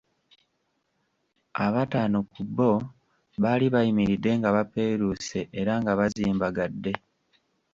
Abataano ku bo baali bayimiridde nga bapeeruuse era nga bazimbagadde.